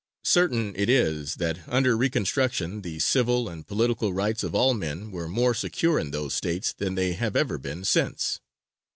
Certain it is that under reconstruction the civil and political rights of all men were more secure in those States than they have ever been since.